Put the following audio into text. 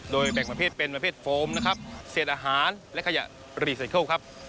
โดยแบ่งประเภทเป็นประเภทโฟมนะครับเศษอาหารและขยะรีไซเคิลครับ